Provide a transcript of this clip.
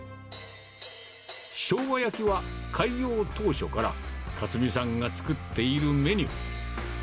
しょうが焼きは、開業当初から勝美さんが作っているメニュー。